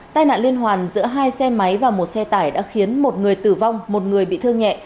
tai nạn liên hoàn giữa hai xe máy và một xe tải đã khiến một người tử vong một người bị thương nhẹ